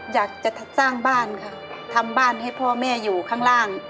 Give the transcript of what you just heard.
อยากจะสร้างบ้านค่ะทำบ้านให้พ่อแม่อยู่ข้างล่าง